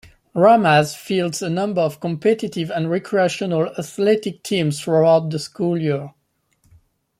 Ramaz fields a number of competitive and recreational athletic teams throughout the school year.